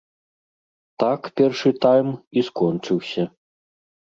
Так першы тайм і скончыўся.